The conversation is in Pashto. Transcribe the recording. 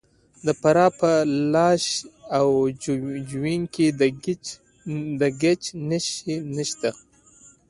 د فراه په لاش او جوین کې د ګچ نښې شته.